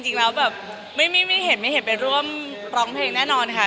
จริงแล้วแบบไม่เห็นไม่เห็นไปร่วมร้องเพลงแน่นอนค่ะ